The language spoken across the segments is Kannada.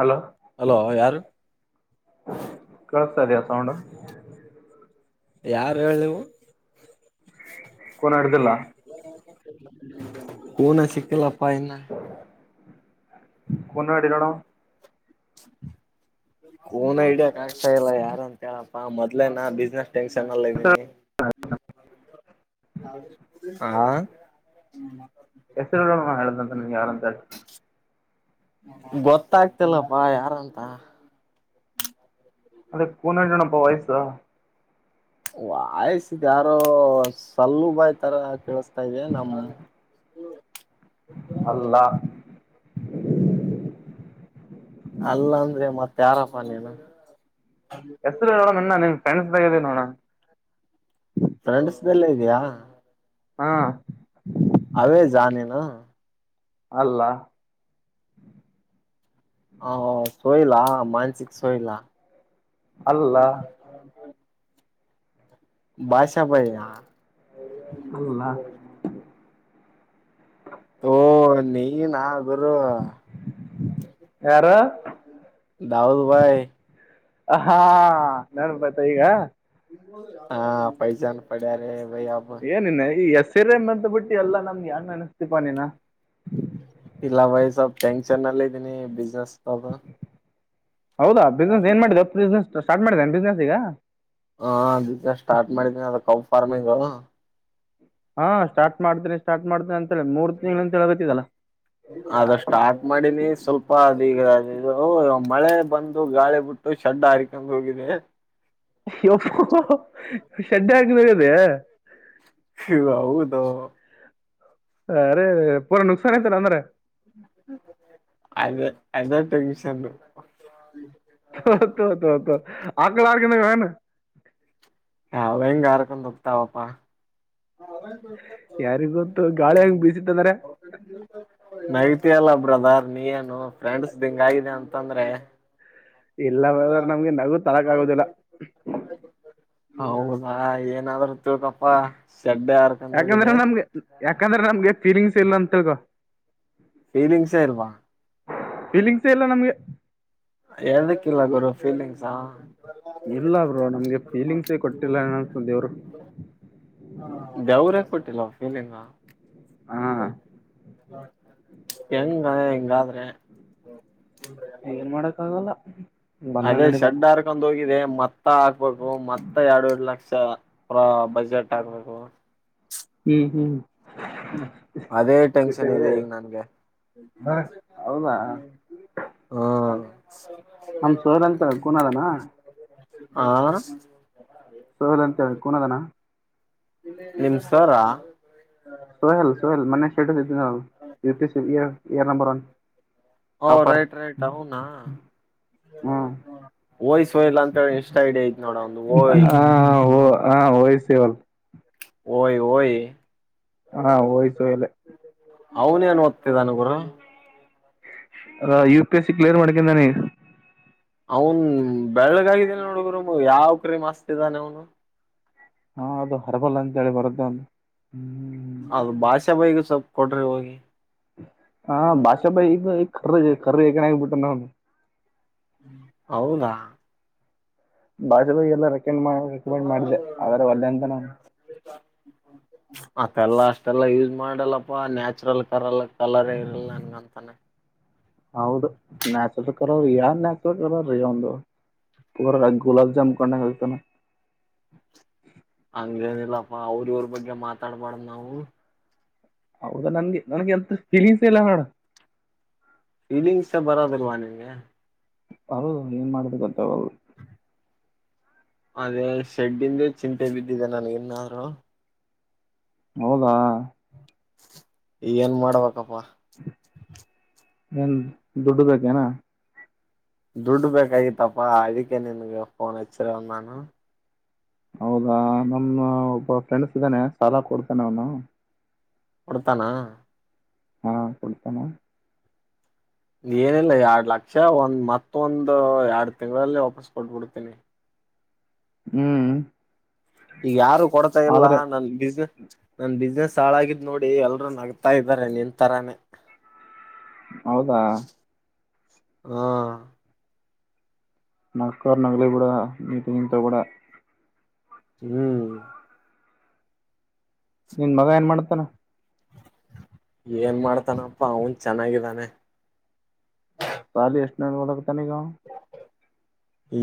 ಹಲೋ ಹಲೋ ಯಾರು ಕೇಳಿಸ್ತಾ ಇದೆಯಾ ಸೌಂಡ್ ಯಾರ್ ಹೇಳ್ ನೀವು ಕೂನ ಹಿಡ್ದಿಲ್ಲ [unintelligible] ಕೂನಾ ಸಿಕ್ಕಿಲ್ಲ ಪ್ಪ ಇನ್ನಾ ಕೂನ ಇಡೀ ನೋಡಮ ಕೂನಾ ಇಡಿಯಕ್ ಆಗ್ತಾ ಇಲ್ಲಪ್ಪ ಯಾರ್ ಅಂತ್ ಹೇಳಪ್ಪಾ ಮೊದ್ಲೆ ನಾ ಬಿಜಿನೆಸ್ ಟೆನ್ಷನ್ ಅಲ್ ಇದ್ದೀನಿ ಹಾ ಹಾ [inaudible] ಹೆಸ್ರು ಹೇಳು ನೋಡಮ್ ನಿಂಗ ಯಾರು ಅಂತ ಹೇಳ್ತೀನಿ ಹೇಳಿ ಗೊತ್ತಾಗ್ತಿಲ್ಲಪ್ಪಾ ಯಾರಂತ ಅದೇ ಕೂನ [unintelligible] ನಪ್ಪ ವಾಯ್ಸು ವಾಯ್ಸಿದ್ ಯಾರೋ ಸಲ್ಲೂಬಾಯ್ತರ ಕೇಳ್ಸ್ತಾ ಇದೆ ನಮ್ ಅಲ್ಲ [unintelligible] ಅಲ್ಲ ಅಂದ್ರೆ ಮತ್ತೆ ಯಾರಪ್ಪ ನೀನು ಹೆಸರು ಹೇಳ್ ನೋಡೋಣ ಇನ್ನ ನಿಮ್ಮ ಫ್ರೆಂಡ್ಸ್ದಾಗಿದಿನಿ ನೋಡೋಣ ಫ್ರೆಂಡ್ಸ್ ದಲ್ಲೇ ಇದ್ಯಾ ಹಾ ಅದೇ ಜಾನಿ ನಾ ಅಲ್ಲ ಹಾ ಸೋಹಿಲ್ಲ ಮಾನ್ಸಿಕ್ ಸೋಹಿಲ್ಲ ಅಲ್ಲ [unintelligible] ಭಾಷಾ ಬಾಯ್ ಯ ಅಲ್ಲ ಓ ನೀನಾ ಗುರು ಯಾರು ದಾವುಲ್ ಬಾಯಿ ಹಾ ನೆನ್ಪು ಬಂತಾ ಈಗ ಹಾ ಪೈಜಾನ್ ಪಡೆಯಿರಿ ಏನ್ ನಿನಾಗಿ ಇ ಎಸ್ ತಿರೆಮ್ ಅಂತ ಬಿಟ್ಟು ಎಲ್ಲ ನಮ್ಮನ್ನ ಯಾಕ್ ನೆನಸ್ತಿ ಪಾ ನೀನ. ಇಲ್ಲ ಬಾಯ್ ಸ್ವಲ್ಪ ಟೆನ್ಶನ್ ನಲ್ಲಿದ್ದೀನಿ ಬಿಸ್ನೆಸ್ ಪ್ರಾಬ್ಲಮ್. ಹೌದಾ ಬಿಸ್ನೆಸ್ ಏನ್ ಮಾಡಿದಪ್ ಬಿಸ್ ತು ಸ್ಟಾಟ್ ಮಾಡ್ದೆನ್ ಬಿಸ್ನೆಸ್ ಈಗ. ಹಾ ಅದ್ ಬಿಸ್ನೆಸ್ ಸ್ಟಾರ್ಟ್ ಮಾಡಿದಿನಿ ಅದ ಕೌ ಫಾರ್ಮಿಂಗ. ಹಾ ಸ್ಟಾರ್ಟ್ ಮಾಡ್ತಿನಿ ಸ್ಟಾರ್ಟ್ ಮಾಡ್ತಿನ್ ಅಂತ್ ಅದ ಸ್ಟಾರ್ಟ್ ಮಾಡಿನಿ ಸ್ವಲ್ಪ ಅದಿಗ ಇದು ಮಳೆ. ಬಂದು ಗಾಳಿ ಬಿಟ್ಟು ಶಡ್ ಹಾರಿಕೊಂಡ್ ಹೋಗಿದೆ. ಅಯ್ಯೊ ಶೆಡ್ಡೆ [unintelligible] ವೆ. ಇವ್ ಹೌದೊ. ಅರೆ. ಪೂನು ನುಕ್ಸಾನೆ ತರ್ ಅಂದ್ರೆ. ಸೇಗ್ಬೇಕ್. ತೊ ತೊ ತೊ ಅಗ್ಲಗ್ ಗಿನಗೇನ. ಅವ್ ಹೆಂಗ್ ಆರ್ಕ್ಕೊಂದ್ ಹೋಗ್ತಾವಪ್ಪಾ. ಯಾರಿಗ್ ಗೊತ್ತು ಗಾಳಿ ಹಂಗ್ ಬೀಸಿತ್ತಂದ್ರೆ. ತೆ ಅಲ್ಲ ಬ್ರದರ್ ನೀ ಏನು ಫ್ರೆಂಡ್ಸ್ದಿಂಗ್ ಆಗಿದೆ ಅಂ ಇಲ್ಲ ಬ್ರದರ್ ನಮ್ಗೆ ನಗು ತಳಕ್ ಆಗೋದಿಲ್ಲ. ಹೌದಾ ಏನಾದ್ರ ತು ಗೊಫಾ. ಯಾಕಂದ್ರೆ ನಮ್ಗೆ ಯಾಕಂದ್ರೆ ನಮ್ಗೆ ಫೀಲಿಂಗ್ಸ್. ತಿಲ್ ಅಂತಗ. ಫೀಲಿಂಗ್ಸೇ ಇಲ್ವ. ಇಲ್ಲಿಂಗ್ಸೆ ಎಲ್ಲ ನಮ್ಗೆ. ಹೇಳ್ಬೇಕಿಲ್ಲ ಗುರು. ಫೀಲಿಂಗ್ ಇಲ್ಲ ಬ್ರೊ ನಮ್ಗೆ ಫೀಲಿಂಗ್ಸೇ ಕೊಟ್ಟಿಲ್ಲ ಅನ್ಸುತ್ತೆ ದೇವ್ರು. ದೇವ್ರೇ ಕೊಟ್ಟಿಲ್ಲ ಫೀಲಿಂಗ. ಹಾ ಹೆಂಗ ಹಿಂಗಾದ್ರೆ. ಏನ್ ಮಾಡಕ್ ಆಗಲ್ಲ. ಹ್ಮ ಅದೇ ಶಡ್ ಹಾರ್ಕೊಂಡ್ ಹೋಗಿದೆ ಮತ್ತ ಮತ್ತ ಹಾಕ್ಬೇಕು ಮತ್ತ ಎರಡು ಎರಡ್ ಲಕ್ಷ ಪ್ರ ಬಜೆಟ್ ಹಾಕ್ಬೇಕು ಹ್ಮ್ ಹ್ಮ್ ಹ್ಮ್ ಅದೇ ಟೆನ್ಷನ್ ಇದೆ ಈಗ್ ನನ್ಗೆ ಹೌದಾ ಹುಂ ನಮ್ ಸೋಲ್ ಅಂತ ಕೂನದನ [inaudible] ಆಹ್ ಸೋಲ್ ಅಂತ ಕುಣದನ ನಿಮ್ದೇ ನಿಮ್ ಸರ್ರಾ ಸೋಯೆಲ್ ಸೋಯೇಲ್ [unintelligible] ಇಯರ್ ಇಯರ್ ನಂಬರ್ ಒನ್ ಓ ಟಾಪರ್ ರೈಟ್ ರೈಟ್ ಅವ್ನಾ ಹ್ಮ್ ವೈಸ್ ವೈಲ್ ಅಂತೇಳಿ ಇನ್ಸ್ಟ ಐಡಿ ಐತ್ ನೋಡ್ ಅವ್ನ್ದು ಓಯ್ ಹಾ ವಯ್ಸೆವಲ್ ಓಯ್ ಓಯಿ ಹಾ ವೈಸ್ ವೈಲೆ ಅವ್ನ್ ಏನ್ ಓದ್ತಿದಾನ್ ಗುರು ಆ U P S C clear ಮಾಡಕ್ [unintelligible] ಅವನ್ನ್ ಬೆಳ್ಳಗಾಗಿದಾನ್ ನೋಡು ಗುರು ಮ್ಮ್ ಯಾವ್ ಕ್ರೀಮ್ ಹಚ್ತಿದಾನೆ ಅವ್ನು ಹಾ ಅದು ಹರ್ಬಲ್ ಅಂತೇಳಿ ಬರತ್ ಒಂದ್ ಹ್ಮ್ ಅದು ಭಾಷ ಬೈಗೆ ಸ್ವಲ್ಪ ಕೊಡ್ರಿ ಹೋಗಿ ಹಾ ಭಾಷ ಬಾಯ್ [unintelligible] ಕರ್ರ್ ಹೆಗಣ ಆಗಿಬಿಟ್ಟನ್ಗ್ ಅವ್ನ್ ಹೌದಾ [unintelligible] ಹೆಂಗ್ ಮಾಡ್ ರೆಕಮೆಂಡ್ ಮಾಡ್ದೆ ಆದ್ರೆ ಒಲ್ಲೆ ಅಂತ ನಾನ್ ಅದ್ದೆಲ್ಲ ಅಷ್ಟೆಲ್ಲ ಯೂಸ್ ಮಾಡಲ್ಲಪ್ಪ ನ್ಯಾಚುರಲ್ ಕರಲ್ ಕಲರ್ ಇರಲ್ಲ ನಂತಾನೆ ಹೌದು ನ್ಯಾಚುರಲ್ ಕಲರ್ ಯಾವ್ ನ್ಯಾಚುರಲ್ ಕಲರ್ ರೀ [inaudible] ಒಂದು ಗುಲಾಬ್ ಜಾಮ್ ಕೊಂಡ ಆಗ್ತಾನ ಹಂಗೇನಿಲ್ಲಪ್ಪಾ ಅವ್ರ್ ಇವ್ರು ಬಗ್ಗೆ ಮಾತಾಡ್ಬಾರ್ದ್ ನಾವು ಹೌದಾ ನನ್ಗೆ ನನಗೆ ಎಂತ ಫೀಲಿಂಗ್ಸೆ ಇಲ್ಲ ನೋಡು ಫೀಲಿಂಗ್ಸೆ ಬರದಿಲ್ವ ನಿಂಗೆ ಅವೂ ಏನ್ ಮಾಡದು ಗೊತ್ತಾವಲ್ ಅದೇ ಶೆಡ್ಡಿಂದೆ ಚಿಂತೆಲ್ ಬಿದ್ದಿದೆ ನಾನು ಇನ್ನಾರು ಹೌದಾ ಏನ್ ಮಾಡ್ಬೇಕಪ್ಪ ಏನ್ ದುಡ್ಡು ಬೇಕೆನ ದುಡ್ಡು ಬೇಕಾಗಿತ್ತಪ್ಪಾ ಅದಿಕ್ಕೆ ನಿನ್ಗೆ ಫೋನ್ ಹಚ್ಚಿರವ ನಾನು ಹೌದಾ ನಮ್ಮ ಒಬ್ಬ ಫ್ರೆಂಡ್ಸ್ ಇದನೆ ಸಾಲ ಕೊಡ್ತನೆ ಅವ್ನು ಕೊಡ್ತನಾ ಹಾ ಕೊಡ್ತನೆ ಏನ್ ಇಲ್ಲ ಎರಡ್ ಲಕ್ಷ ಒಂದ್ ಮತ್ತೊಂದ್ ಆ ಯಾರ್ಡ್ ತಿಂಗಳಲ್ಲಿ ವಾಪಸ್ ಕೊಟ್ಬುಡ್ತಿನಿ. ಹ್ಮ್ ಈಗ್ ಯಾರು ಕೊಡ್ತಾ ಇಲ್ಲ ಆದ್ರೆ ನನ್ ಬಿಸ್ನ ನನ್ ಬಿಸ್ನೆಸ್ ಹಾಳಾಗಿದ್ ನೋಡಿ ಎಲ್ರೂ ನಗ್ತಾ ಇದರೆ ನಿನ್ ತರಾನೇ. ಹೌದಾ. ಹಾ. ನಕೊರ್ ನಗ್ಲಿ ಬೀಡಾ ನೀ ಟೆನ್ಷನ್ ತೋಗೋಬೇಡ. ಹ್ಮ್. ನಿನ್ ಮಗ ಎನ್ ಮಾಡ್ತಾನ. ಏನ್ ಮಾಡ್ತಾನಪ್ಪ ಅವ್ನ್ ಚೆನ್ನಾಗಿದ್ದಾನೆ. ಸಾಲಿ ಎಸ್ಟನೇದ್ ಒದಗತಾನೆ ಇವಗ್ ಆವ್.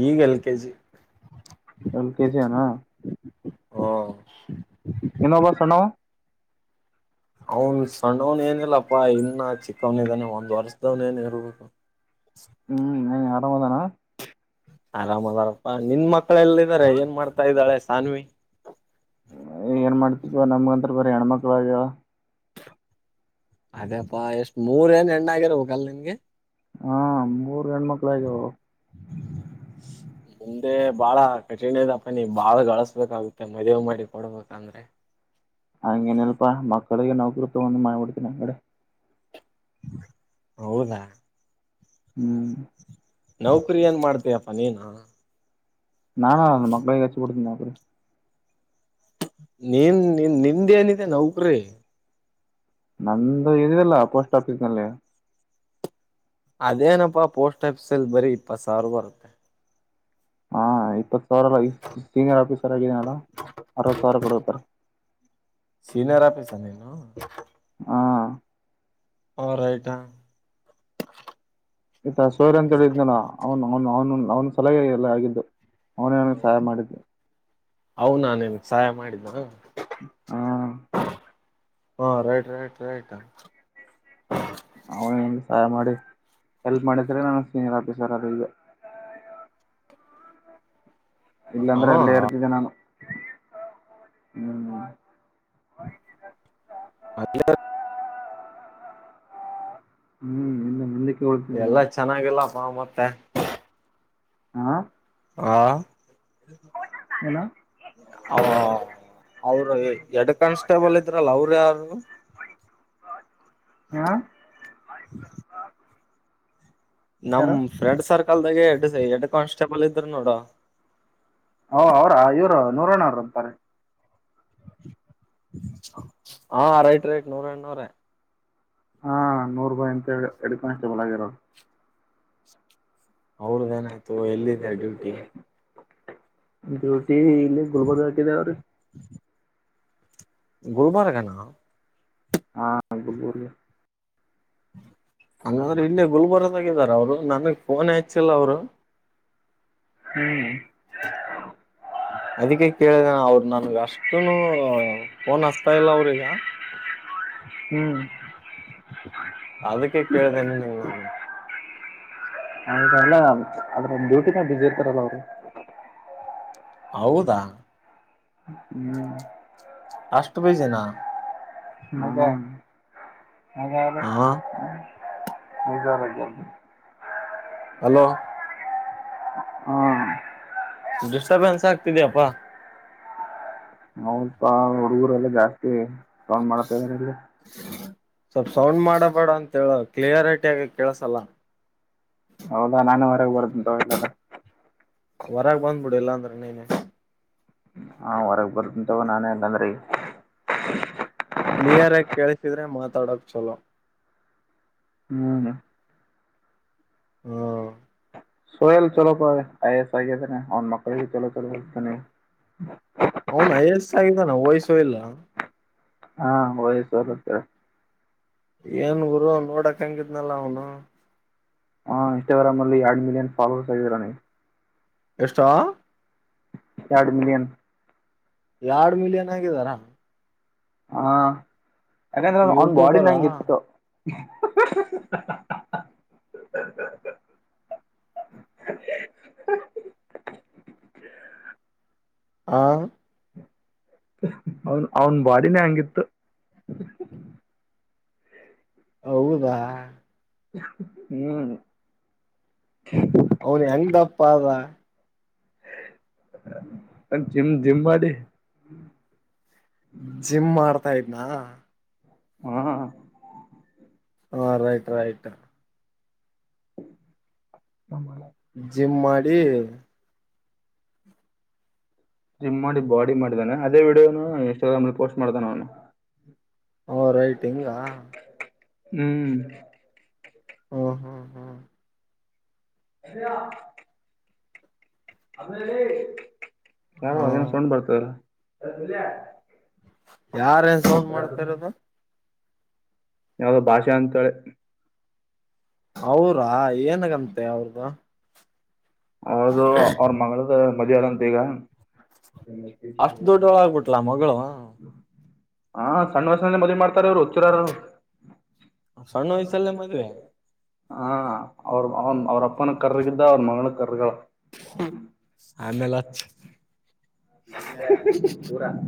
ಈಗ್ L K G. L K G ಅ ನ. ಓ. ಇನ್ನೊಬ್ಬ ಸಣ್ಣವ. ಅವುನ್ ಸಣ್ಣೊವ್ನ ಏನಿಲ್ಲಪ್ಪಾ ಇನ್ನ ಚಿಕ್ಕವ್ನ ಇದಾನೆ ಒಂದ್ ವರ್ಷದವ್ನ ಏನ್ ಇರ್ಬೇಕು. ಸ್. ಹ್ಮ ಆರಾಮದಾನ. ಆರಾಮದನಪ್ಪ. ನಿನ್ ಮಕ್ಳ ಎಲ್ ಇದಾರೆ ಏನ್ ಮಾಡ್ತಾ ಇದ್ದಾಳೆ ಸಾನ್ವಿ. ಏನ್ ಮಾಡ್ತಿಬೇ ನಮ್ಗಂತ್ರ ಬರೆ ಹೆಣ್ಮಕ್ಳ ಆಗ್ಯವ. ಅದೇಪ್ಪಾ ಎಷ್ಟ್ ಮೂರ್ ಏನ್ ಹೆಣ್ಣ ಆಗಿರ್ಬೇಕಲ್ ನಿನ್ಗೆ. ಹಾ ಮೂರ್ ಬರೆ ಹೆಣ್ಕಳ್ ಆಗ್ಯಾವೊ. ಮುಂದೆ ಬಾಳ ಕಠಿಣ್ ಇದೆಪ್ಪ ನಿ ಭಾಳ್ ಗಳಿಸ್ಬೇಕಗು ಏನ್ ಮದುವೆ ಮಾಡಿ ಕೊಡ್ಬೇಕ್. ಅಂದ್ರೆ. ಹಂಗ್ ಎನ್ ಇಲ್ಪಾ ಮಕ್ಳ್ ಕಡೆಗೆ ನೌಕ್ರಿತೋಗೊಂಡ ಮಾಡ್ಬಿಡ್ತೀನಿ ಹಂಗರೆ. ಹೌದಾ ಹ್ಮ್ ನೌಕರಿ ಏನ್ ಮಾಡ್ತೀಯಪ್ಪ ನೀನೂ. ನಾನು ನನ್ ಮಕ್ಳಿಗೆ ಹಚ್ ಬುಡ್ತಿನಿ ನ. ಹುರ. ನೀನ್ ನಿಂದ್ ನಿಂದೇನಿದೆ ನೌಕ್ರಿ. ನಂದು ಇದ್ಯಲ್ಲ ಪೋಸ್ಟ್ ಆಫೀಸ್ನಲ್ಲಿ. ಅದೇನಪ್ಪಾ ಪೋಸ್ಟ್ ಆಫೀಸ ಅಲ್ ಬರೀ ಇಪ್ಪತ್ ಸಾವ್ರ್ ಬರುತ್ತೆ. ಹಾ ಆಯಿತು. ಸಾವ್ರದ ಹೈ ಸೀನಿಯರ್ ಆಫೀಸರ್ ಆಗಿ ನಾನು ಅರ್ವತ್ ಸಾವ್ರ ಬರುತ್ತೆ. ಹ. ಹ ರೈಟಾ. ಇತ್ತ ಸೂರ್ಯ ಅಂತೇಳಿದ್ನಲ್ಲ ಅವ್ನ್ ಅವ್ನ್ ಅವ್ನು. ಅವ್ನ್ ಸಲಗೆ ಇದೆಲ್ಲಾ ಆಗಿದ್ದು. ಅವ್ನೇನೆ ಸಹಾಯ ಮಾಡಿದ್ದು. ಅವ್ನ ನಿನ್ಗ್ ಸಹಾಯ ಮಾಡಿದ್ದು. ಹಾ ಹಾ ರೈಟ್ ರೈಟ್ ರೈಟ್. ಅವ್ನೆ ನಂಗ್ ಸಹಾಯ ಮಾಡಿ ಹೆಲ್ಪ್ ಮಾಡಿದ್ರೆ ನಾನು ಸೀನಿಯರ್ ಆಫೀಸರ್ ಅದೆ ಇಗ. ಇಲ್ಲಾಂದ್ರೆ ಅಲ್ಲೇ ಹ ಇರ್ತಿದ್ದೆ ನಾನು. ಹ್ಮ್ [unintelligible] ಹ್ಮ್ ಇನ್ನ ಮುಂದುಕ್ ಎಲ್ಲಾ ಚೆನ್ನಾಗಿಲ್ಲ ಮಾವ್ ಮತ್ತೆ ಹಾ ಆ ಏನು ಅವ ಅವರು ಎಡ್ ಕಾನ್ಸ್ಟೇಬಲ್ ಇದ್ರಲ್ಲ ಅವರು ಯಾರು? ಹಾ ನಮ್ ಯಾರು ಫ್ರೆಂಡ್ ಸರ್ಕಲ್ ದಾಗ ಎಡ್ ಹೆಡ್ ಕಾನ್ಸ್ ಸ್ಟೇಬಲ್ ಇದ್ರು ನೋಡು ಓ ಅವ್ರ ಇವ್ರು ನೂರಣ್ಣ ಅವ್ರ್ ಅಂತಾರೆ. [inaudible] ಹಾ ರೈಟ್ ರೈಟ್ ನೂರ ಎಣ್ಣೋರೆ. ಹಾ ನೂರ್ ಬಾಯಿ ಅಂತೇಳಿ ಹೆಡ್ ಕಾನ್ಸ್ಟೇಬಲ್ ಆಗ್ಯಾರ್ ಅವ್ರು. ಅವ್ರದ ಏನಾಯ್ತು ಎಲ್ಲಿದ್ದ ಡ್ಯೂಟಿ. [unintelligible] ಡ್ಯೂಟಿ ಇಲ್ಲಿ ಗುಲ್ಬರ್ಗ ಹಾಕಿದೆ ಅವ್ರೆ. ಗುಲ್ಬರ್ಗನಾ. ಹಾ ಗುಲ್ಬರ್ಗ. ಹಂಗಾದ್ರೆ ಇಲ್ಲೆ ಗುಲ್ಬರ್ದಾಗಿದಾರ ಅವ್ರು ನನ್ಗ್ ಫೋನೆ ಹೆಚ್ಚಿಲ್ಲ ಅವ್ರು. ಹ್ಮ್ ಅದಿಕ್ಕೆ ಕೇಳ್ ನ ದೆ ಅವ್ರ್ ನನ್ಗ ಅಷ್ಟುನು ಫೋನ್ ಹಚ್ತಾ ಇಲ್ಲ ಅವ್ರಿಗ. ಹ್ಮ್ ಅದಕ್ಕೆ ಕೇಳ್ದೇನೆ ನಿನಿಗ್ ನಾನು. ಹಂಗ್ ಅಲ್ಲ ಅದ್ರೆ ಡ್ಯೂಟಿನಾಗ್ ಬಿಝಿ ಇರ್ತಾರಲ್ಲ ಅವ್ರು. ಹೌದಾ. ಹ್ಮ್ ಅಷ್ಟ್ ಬಿಝೀನ. ಹ್ಮ ಅದ ಅಲ್ಲಿ ಹಾ ಮುಂಜಾನಗಿ. ಹಲೋ. ಹಾ. ಡಿಸ್ಟರ್ಬೆನ್ಸ್ ಆಗ್ತಿದ್ಯಪ್ಪಾ. ಅವ್ನ್ಪ ಹುಡ್ಗುರೆಲ್ಲ ಜಾಸ್ತಿ ಸೌಂಡ್ ಮಾಡತಾರ್ ಇಲ್ಲಿ. ಸ್ವಲ್ಪ ಸೌಂಡ್ ಮಾಡಬೇಡ ಅಂತ ಹೇಳ ಕ್ಲಿಯಾರಿಟಿ ಆಗ ಕೆಳಸಲ್ಲ. ಹೌದಾ ನಾನು ಹೊರಗೆ ಬರ್ತ್ನ್ ತಗೋ ಇಲ್ಲಾದ್ರೆ. ಬರ್ ನೀನೆ. ಹಾ ಹೊರಗ್ ಬರ್ತಿನ್ ತಗೋ ನಾನೇ ಅಂದಂದ್ರಿ ಕ್ಲಿಯರ್ ಆಗಿ ಕೇಳಸಿದ್ರೆ ಮಾತಾಡಕ್ ಚಲೋ ಹ್ಮ ಹ್ಮ ಸ್ವಯಲ್ ಚಲೋಕ ವಯಸ್ ಆಗ್ಯದನೆ ಅವ್ನ್ [unintelligible] ಅವ್ನ್ ಐ ಎ ಏಸ್ ಆಗಿದಾನ ವಯ್ಸು ಇಲ್ಲ. ಹಾ ಓ ಏಸ್ [unintelligible] ಏನ್ ಗುರು ನೋಡಕ್ ಹಂಗಿದ್ನಲ್ಲ ಅವ್ನು. ಇನ್ಸ್ಟಾಗ್ರಾಮಲ್ಲಿ ಎರಡು ಮಿಲಿಯನ್ ಫಾಲೋವರ್ಸ್ ಆಗ್ಯಾರ್ ಅವ್ನಿಗೆ. ಎಷ್ಟೊ ಎರ್ಡು ಮಿಲಿಯನ್. ಎರಡ್ ಮಿಲಿಯನ್ ಆಗಿದ್ದಾರಾ. ಹಾ ಯಾಕಂದ್ರೆ ಅವ್ನ್ ಯೂಟ್ಯೂಬರ ಅವ್ನ್ ಬಾಡಿನೇ ಹಂಗ್ ಇತ್ತು. ಹ್ ಹ್ ಹ ಹ ಹ ಹ ಹ ಹ ಹ ಹ ಹ ಅ ಅವನ್ ಅವನ್ ಬಾಡಿನೇ ಹಂಗಿತ್ತು. ಹೌದಾ ಹ್ಮ್ ಅವನ್ ಹೆಂಗ್ ದಪ್ಪ ಆದ. ಜಿಮ್ ಜಿಮ್ ಮಾಡಿ. ಜಿಮ್ ಮಾಡ್ತಾ ಇದ್ನಾ? ಹ್ಮ ಹಾ ರೈಟ್ ರೈಟ್. [unintelligible] ಜಿಮ್ ಮಾಡಿ ಜಿಮ್ ಮಾಡಿ ಬಾಡಿ ಮಾಡಿದಾನೆ ಅದೇ ವಿಡಿಯೋನ ಇನ್ಸ್ಟಾಗ್ರಾಮಲ್ ಪೋಸ್ಟ್ ಮಾಡ್ತಾನ್ ಅವ್ನು. ಓ ರೈಟ್ ಹಿಂಗಾ ಹ್ಮ್ ಹ್ಮ ಹ್ಮ್ ಹ್ಮ್ [unintelligible] ಆಮೇಲೆ ಯಾರೋ ಏನೋ ಹ್ಮ್ ಸೌಂಡ್ ಬರ್ತಾ ಇದೆ. ಎ ಬುಲ್ಯ ಯಾರೇನ್ ಸೌಂಡ್ ಮಾಡ್ತಿರೋದು? ಯಾವ್ದೋ ಭಾಷ ಅಂತಳೆ. ಅವ್ರಾ ಏನಗಂತೆ ಅವ್ರ್ದು. ಅದು ಅವ್ರ್ ಮಗಳದ ಮಜರ್ ಅಂತಿಗ. ಅಷ್ಟ್ ದೊಡ್ಡೊಳ್ ಆಗ್ಬಿಟ್ಲಾ ಮಗ್ಳು. ಹಾ ಸಣ್ಣವಯ್ಸನಲ್ಲಿ ಮದ್ವಿ ಮಾಡ್ತಾರ್ ಅವ್ರು ಹುಚ್ರಾರು. ಸಣ್ಣ ವಯಸ್ಸಲ್ಲೇ ಮದ್ವೆ ಹ ಅವ್ರ್ ಅವ್ನ್ ಅವ್ರ್ ಅಪ್ಪನು ಕರ್ರಗಿದ್ದ ಅವ್ರ್ ಮಗನು ಗರ್ಗಳ. ಅಲೆಲಚ್. ಹಃ ಹಃ ಹಾ.